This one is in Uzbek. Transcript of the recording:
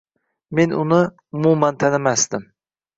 Men uni umuman tanimasdim.